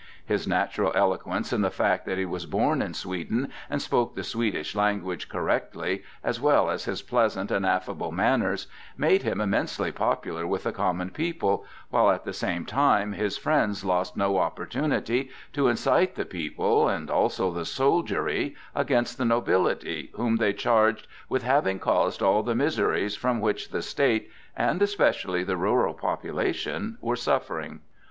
His natural eloquence and the fact that he was born in Sweden and spoke the Swedish language correctly, as well as his pleasant and affable manners, made him immensely popular with the common people, while at the same time his friends lost no opportunity to incite the people, and also the soldiery, against the nobility, whom they charged with having caused all the miseries from which the State, and especially the rural population, were suffering.